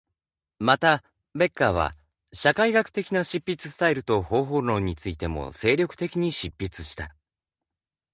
また、ベッカーは、社会学的な執筆スタイルと方法論についても精力的に執筆した。